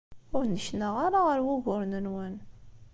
Ur nneknaɣ ara ɣer wuguren-nwen.